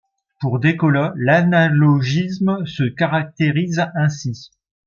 Pour Descola, l'analogisme se caractérise ainsi.